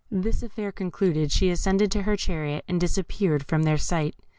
This affair concluded, she ascended her chariot and disappeared from their sight.